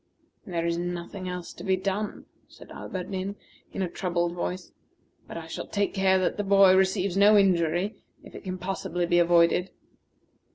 "There is nothing else to be done," said Alberdin in a troubled voice; "but I shall take care that the boy receives no injury if it can possibly be avoided."